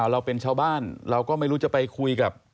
เราเป็นชาวบ้านเราก็ไม่รู้จะไปคุยกับ